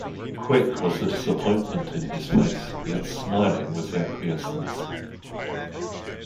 Quick was the disappointment in his face, yet smiling was the acquiescence.